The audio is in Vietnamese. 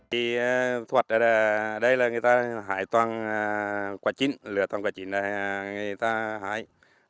thu hoạt ở đây là người ta hái toàn qua chín lửa toàn qua chín là người ta hái